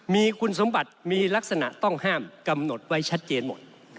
มีคุณสมบัติมีลักษณะต้องห้ามกำหนดไว้ชัดเจนหมด